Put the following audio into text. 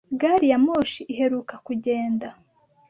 Gari ya moshi iheruka kugenda?